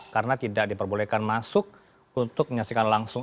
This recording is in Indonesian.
karena tidak diperbolehkan masuk untuk menyaksikan langsung